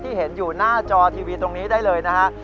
เห็นอยู่หน้าจอทีวีตรงนี้ได้เลยนะฮะ